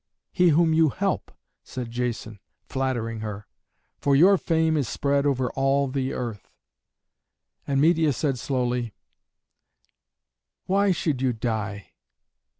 "He whom you help," said Jason, flattering her, "for your fame is spread over all the earth." And Medeia said slowly, "Why should you die?